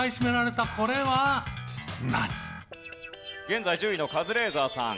現在１０位のカズレーザーさん